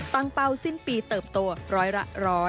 ตั้งเป้าสิ้นปีเติบตัวรอยละ๑๐๐